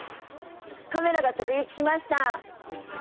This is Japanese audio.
カメラが直撃しました！